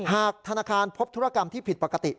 หากธนาคารพบธุรกรรมที่ผิดปกติ